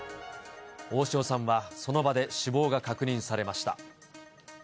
大塩さんはその場で死亡が確認されました。